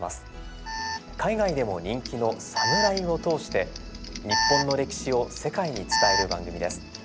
海外でも人気の「サムライ」を通して日本の歴史を世界に伝える番組です。